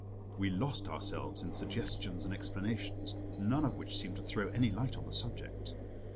We lost ourselves in suggestions and explanations, none of which seemed to throw any light on the subject.